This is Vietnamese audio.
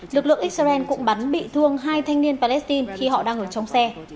lực lượng israel cũng bắn bị thương hai thanh niên palestine khi họ đang ở trong xe